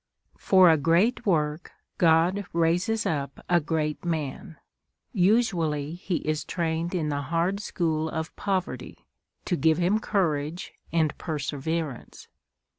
For a great work God raises up a great man. Usually he is trained in the hard school of poverty, to give him courage and perseverance.